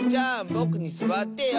ぼくにすわってよ。